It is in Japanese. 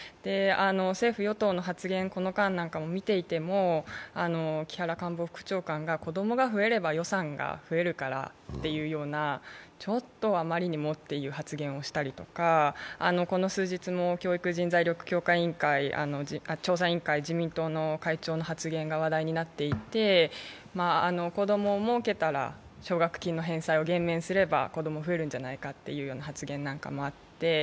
政府・与党の発言、この間なんかを見ていても、木原官房副長官が子供が増えれば予算が増えるからというようなちょっと、あまりにもという発言をしたりとか、この数日も教育人材調査委員会の自民党の会長の発言が話題になっていて、子供を設けたら奨学金の返済を減免すれば子供、増えるんじゃないかという発言なんかもあって。